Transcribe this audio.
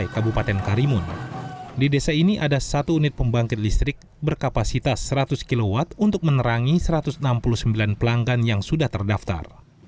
kapasitas seratus kw untuk menerangi satu ratus enam puluh sembilan pelanggan yang sudah terdaftar